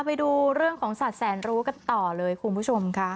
ไปดูเรื่องของสัตว์แสนรู้กันต่อเลยคุณผู้ชมค่ะ